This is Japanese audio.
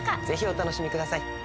ぜひお楽しみください。